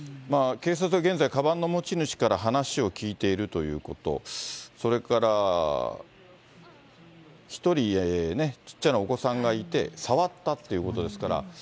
警察も現在、かばんの持ち主から話を聞いているということ、それから１人ね、ちっちゃなお子さんがいて、触ったということですから。